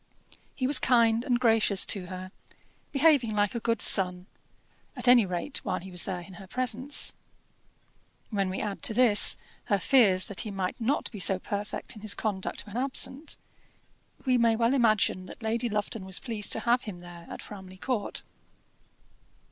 He was kind and gracious to her, behaving like a good son, at any rate while he was there in her presence. When we add, to this, her fears that he might not be so perfect in his conduct when absent, we may well imagine that Lady Lufton was pleased to have him there at Framley Court.